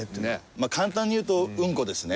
まあ簡単に言うとうんこですね。